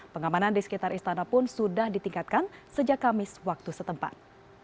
pengamanan di sekitar istana pun sudah ditingkatkan sejak kamis waktu setempat